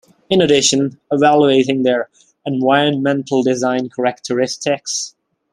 In addition, evaluating their environmental design characteristics.